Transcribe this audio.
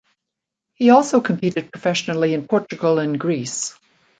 He also competed professionally in Portugal and Greece.